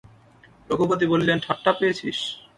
রঘুপতি বলিলেন, ঠাট্টা পেয়েছিস?